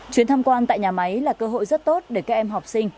chuyến tham quan tại nhà máy là cơ hội rất tốt để các em học sinh